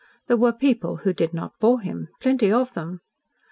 There were people who did not bore him plenty of them.